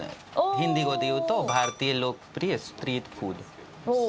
ヒンディー語で言うとバラティエロクプリエストリートフード。